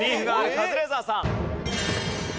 カズレーザーさん